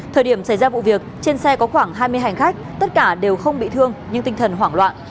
thời điểm xảy ra vụ việc trên xe có khoảng hai mươi hành khách tất cả đều không bị thương nhưng tinh thần hoảng loạn